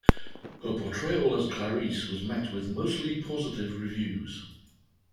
Her portrayal as Clarisse was met with mostly positive reviews.